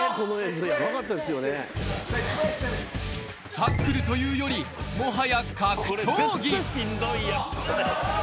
タックルというより、もはや格闘技。